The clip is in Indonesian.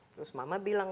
terus mama bilang